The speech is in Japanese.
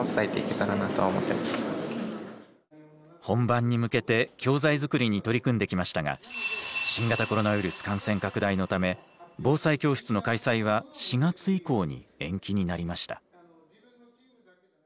本番に向けて教材づくりに取り組んできましたが新型コロナウイルス感染拡大のため防災教室の開催は４月以降に延期になりました。